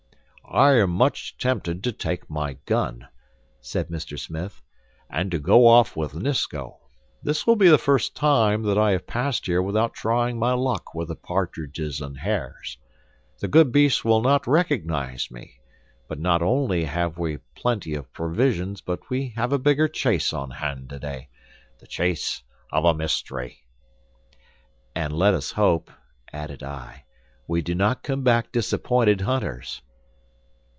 "I am much tempted to take my gun," said Mr. Smith, "and to go off with Nisko. This will be the first time that I have passed here without trying my luck with the partridges and hares. The good beasts will not recognize me. But not only have we plenty of provisions, but we have a bigger chase on hand today. The chase of a mystery." "And let us hope," added I, "we do not come back disappointed hunters."